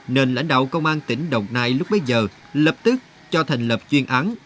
nền lãnh đạo công an tỉnh đồng nai lúc bây giờ lập tức cho thành lập chuyên án